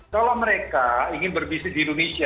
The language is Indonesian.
kalau mereka ingin berbisnis di indonesia